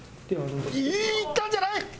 いったんじゃない！？